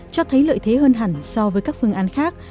cho thấy lợi thế hơn hẳn so với các phương án khác